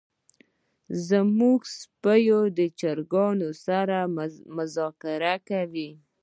زمونږ سپی د چرګانو سره مذاکره کوي.